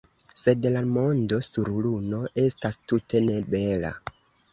Sed la mondo sur luno estas tute ne bela.